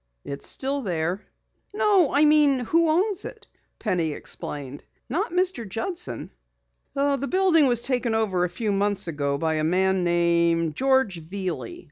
"It's still there." "No, I mean who owns it," Penny explained. "Not Mr. Judson?" "The building was taken over a few months ago by a man named George Veeley.